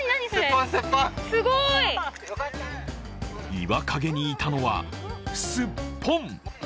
岩陰にいたのは、すっぽん。